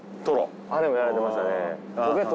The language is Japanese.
あれもやられてましたね。